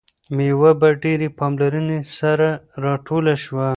میوه په ډیرې پاملرنې سره راټوله شوه.